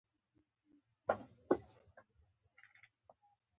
خوري خورۍ خورې؟